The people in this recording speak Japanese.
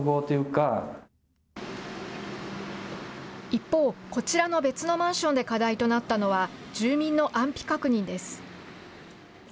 一方、こちらの別のマンションで課題となったのは、住民の安否確認です。